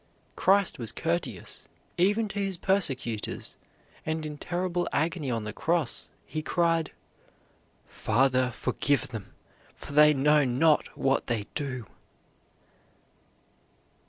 Christ was courteous, even to His persecutors, and in terrible agony on the cross, He cried: "Father, forgive them, for they know not what they do."